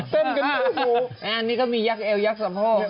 เต้นกันอยูดูนี่ก็มียักษ์เอลล์ยักษ์สมโภค